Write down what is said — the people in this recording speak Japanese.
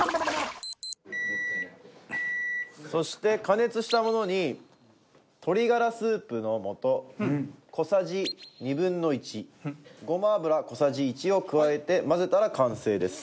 そして加熱したものに鶏がらスープの素小さじ２分の１ごま油小さじ１を加えて混ぜたら完成です。